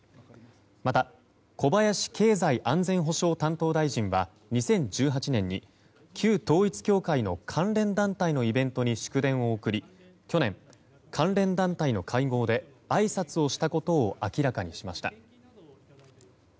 また小林経済安全保障担当大臣は２０１８年に旧統一教会の関連団体のイベントに祝電を送り去年、関連団体の会合であいさつをしたことを明らかにしました。